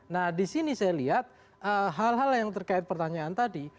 nah di sini saya lihat hal hal yang terkait pertanyaan tadi